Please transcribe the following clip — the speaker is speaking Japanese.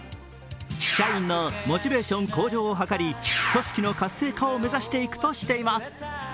社員のモチベーション向上を図り組織の活性化を目指すとしています。